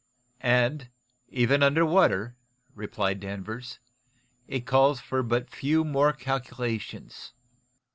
"And, even under water," replied Danvers, "it calls for but few more calculations.